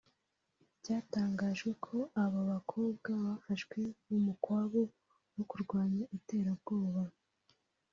cyatangaje ko abo bakobwa bafashwe mu mu kwabu wo kurwanya iterabwoba